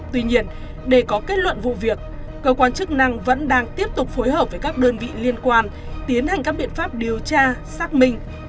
tuy nhiên để có kết luận vụ việc cơ quan chức năng vẫn đang tiếp tục phối hợp với các đơn vị liên quan tiến hành các biện pháp điều tra xác minh